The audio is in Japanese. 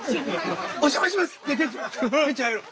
お邪魔します。